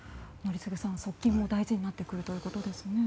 宜嗣さん、側近も大事になってくるということですね。